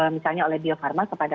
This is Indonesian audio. misalnya oleh bio farma kepada